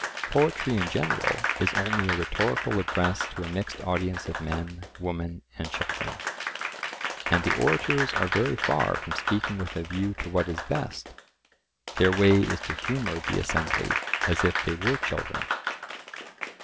Poetry in general is only a rhetorical address to a mixed audience of men, women, and children. And the orators are very far from speaking with a view to what is best; their way is to humour the assembly as if they were children.